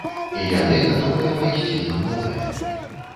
І яны гатовыя пайсці на многае.